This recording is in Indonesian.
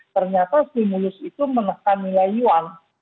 ternyata stimulus itu menekan nilai yuan